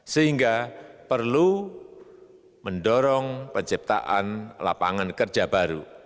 sehingga perlu mendorong penciptaan lapangan kerja baru